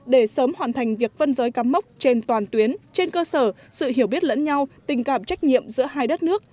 để sớm hoàn thành việc phân giới cắm mốc trên toàn tuyến trên cơ sở sự hiểu biết lẫn nhau tình cảm trách nhiệm giữa hai đất nước